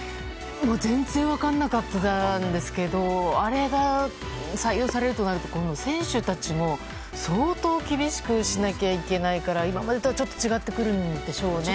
全然分からなかったんですけどあれが採用されるとなると今後、選手たちも相当厳しくしなきゃいけないから今までとはちょっと違ってくるんでしょうね。